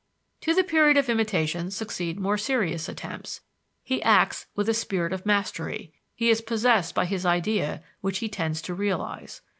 To the period of imitation succeed more serious attempts he acts with a "spirit of mastery," he is possessed by his idea which he tends to realize.